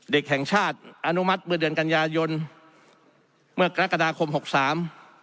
เด็กแห่งชาติอนุมัติเมื่อเดือนกันยายนเมื่อกรกฎาคมหกสาม